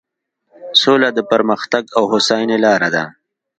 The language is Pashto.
سوله د پرمختګ او هوساینې لاره ده.